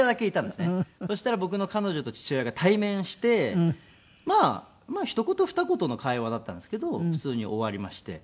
そしたら僕の彼女と父親が対面してまあひと言ふた言の会話だったんですけど普通に終わりまして。